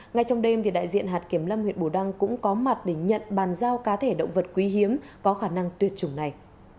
ngay trong đêm đại diện hạt kiểm lâm huyện bù đăng cũng có mặt để nhận bàn giao cá thể động vật quý hiếm có khả năng tuyệt chủng này